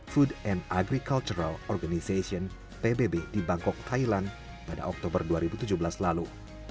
food and agricultural organization pbb di bangkok thailand pada oktober dua ribu tujuh belas lalu